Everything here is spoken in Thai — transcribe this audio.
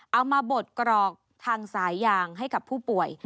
มาบดกรอกทางสายยางให้กับผู้ป่วย